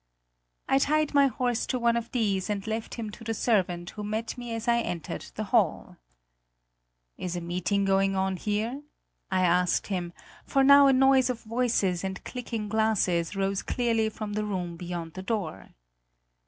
I tied my horse to one of these and left him to the servant who met me as I entered the hall. "Is a meeting going on here?" I asked him, for now a noise of voices and clicking glasses rose clearly from the room beyond the door.